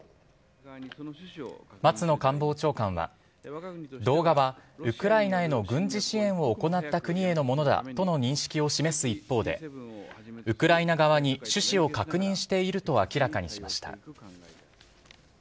松野官房長官は、動画はウクライナへの軍事支援を行った国へのものだとの認識を示す一方で、ウクライナ側に趣旨を確認していると明らかにしました。